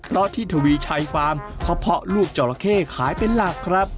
เพราะที่ทวีชัยฟาร์มเขาเพาะลูกจราเข้ขายเป็นหลักครับ